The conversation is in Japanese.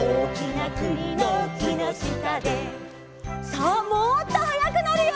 さあもっとはやくなるよ。